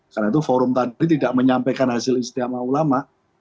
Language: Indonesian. karena itu forum tadi tidak menyampaikan hasil ijtima ulama